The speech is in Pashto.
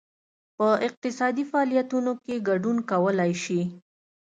په اقتصادي فعالیتونو کې ګډون کولای شي.